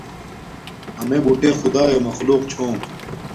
امݺ بُٹݺ خدݳئݺ مخلݸق چھݸم.